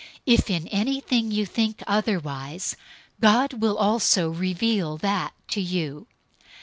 If in anything you think otherwise, God will also reveal that to you.